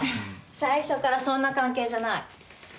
最初からそんな関係じゃない。